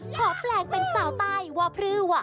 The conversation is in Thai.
ขอแปลงเป็นเสาไตวพรือวะอ้อ